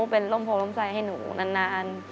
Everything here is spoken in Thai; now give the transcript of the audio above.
เป็นร่มโพร่มใจให้หนูนาน